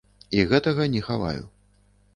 І гэтага не хаваю.